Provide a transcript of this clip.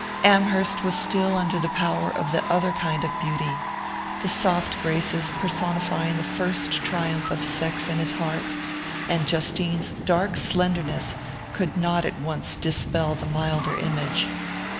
Amherst was still under the power of the other kind of beauty the soft graces personifying the first triumph of sex in his heart and Justine's dark slenderness could not at once dispel the milder image.